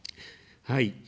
はい。